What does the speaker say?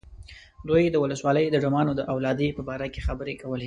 دوی د ولسوالۍ د ډمانو د اولادې په باره کې خبرې کولې.